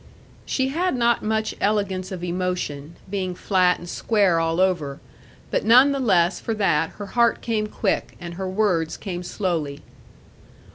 She had not much elegance of emotion, being flat and square all over; but none the less for that her heart came quick, and her words came slowly.